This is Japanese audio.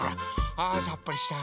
あさっぱりした。